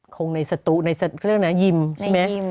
คงในศตุในเรื่องนั้นยิ่มใช่ไหม